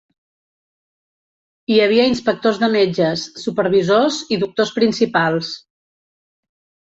Hi havia inspectors de metges, supervisors i doctors principals.